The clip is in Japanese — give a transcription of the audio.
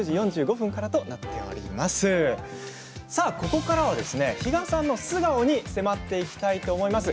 ここからは比嘉さんの素顔に迫っていきたいと思います。